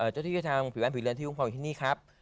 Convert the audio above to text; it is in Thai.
เจ้าที่ทางผิวแว่นผีเรือนที่คุ้มครองอยู่ที่นี่ครับ